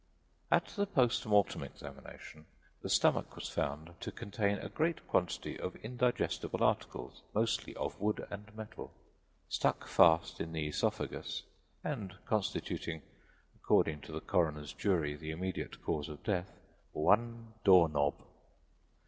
At the post mortem examination the stomach was found to contain a great quantity of indigestible articles mostly of wood or metal. Stuck fast in the esophagus and constituting, according to the Coroner's jury, the immediate cause of death, one door knob.